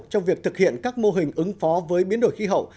trong việc thực hiện các mô hình ứng phó với biến đổi khí hậu